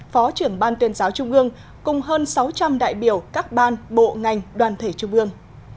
phó trưởng ban tuyên giáo trung ương cùng hơn sáu trăm linh đại biểu các ban bộ ngành đoàn thể trung ương